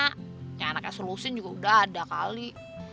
punya anaknya selusin juga udah ada kali